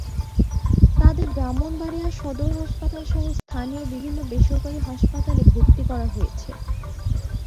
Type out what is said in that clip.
তাঁদের ব্রাহ্মণবাড়িয়া সদর হাসপাতালসহ স্থানীয় বিভিন্ন বেসরকারি হাসপাতালে ভর্তি করা হয়েছে।